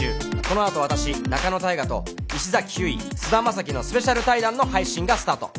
このあと私仲野太賀と石崎ひゅーい菅田将暉のスペシャル対談の配信がスタート。